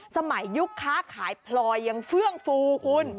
สมัยยุคค้าขายปลอยอย่างเฟื้องฟู